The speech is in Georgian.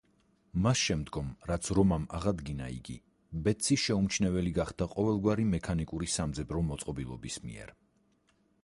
მას შემდგომ, რაც რომამ აღადგინა იგი, ბეტსი შეუმჩნეველი გახდა ყოველგვარი მექანიკური სამძებრო მოწყობილობის მიერ.